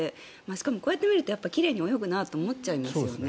しかも、こうやって見ると奇麗に泳ぐなって思っちゃいますよね。